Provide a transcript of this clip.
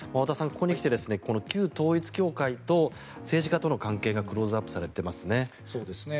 ここに来て旧統一教会と政治家との関係がクローズアップされていますね。